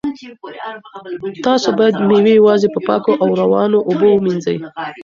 تاسو باید مېوې یوازې په پاکو او روانو اوبو ومینځئ.